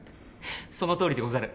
そのとおりでござる。